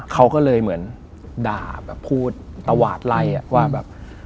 เขาก็เลยเหมือนด่าแบบพูดตวาดไล่ว่าแบบ